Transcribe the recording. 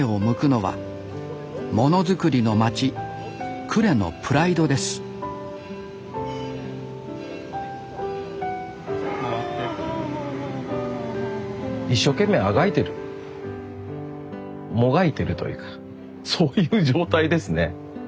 呉のプライドです一生懸命あがいてるもがいてるというかそういう状態ですね。